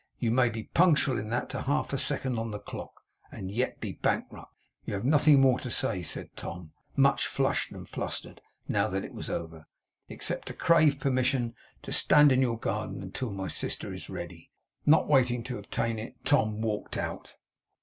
You may be punctual in that to half a second on the clock, and yet be Bankrupt. I have nothing more to say,' said Tom, much flushed and flustered, now that it was over, 'except to crave permission to stand in your garden until my sister is ready.' Not waiting to obtain it, Tom walked out.